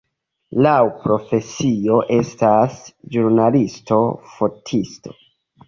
Laŭ profesio estas ĵurnalisto-fotisto.